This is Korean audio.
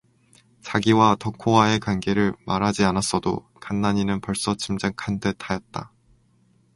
자기가 덕호와의 관계를 말하지 않았어도 간난이는 벌써 짐작 한 듯 하였다.